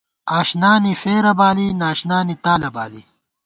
آشنانی فېرہ بالی، ناشنانی تالہ بالی